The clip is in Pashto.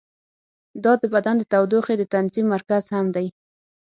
دا د بدن د تودوخې د تنظیم مرکز هم دی.